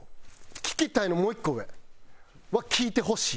「聴きたい」のもう１個上は「聴いてほしい」。